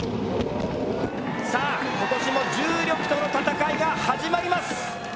さあ今年も重力との闘いが始まります。